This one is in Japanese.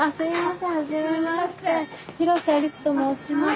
広瀬アリスと申します。